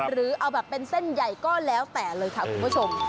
หรือเอาแบบเป็นเส้นใหญ่ก็แล้วแต่เลยค่ะคุณผู้ชม